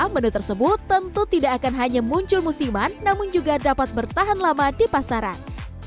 menu tersebut tentu tidak akan hanya muncul musiman namun juga dapat bertahan lama di pasaran